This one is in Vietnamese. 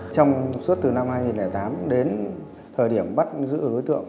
trong suốt từ năm hai nghìn tám đến thời điểm bắt giữ đối tượng